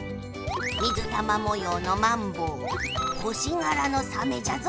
水玉もようのマンボウ星がらのサメじゃぞ。